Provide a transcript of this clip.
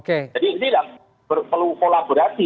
jadi ini perlu kolaborasi